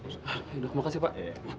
terima kasih pak